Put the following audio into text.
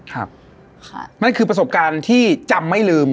ครับค่ะนั่นคือประสบการณ์ที่จำไม่ลืม